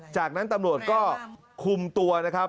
จากนั้นตำรวจก็คุมตัวนะครับ